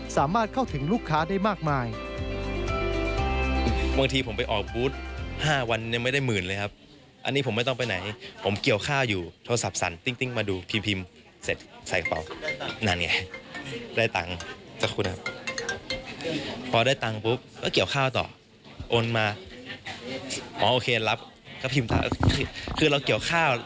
สามารถเข้าถึงลูกค้าได้มากมาย